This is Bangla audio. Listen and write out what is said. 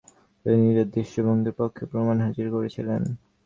তিনি নিজের দৃষ্টিভঙ্গির পক্ষে প্রমাণ হাজির করেছিলেন।